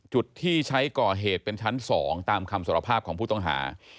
จุดที่ใช้ก่อเหตุเป็นชั้น๒ตามคำสารภาพของผู้ต้องหา